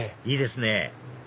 いいですね！